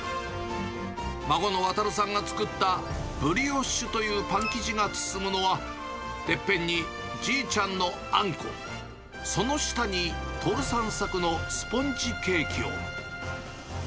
孫の航さんが作ったブリオッシュというパン生地が包むのは、てっぺんにじいちゃんのあんこ、その下に徹さん作のスポンジケーキを。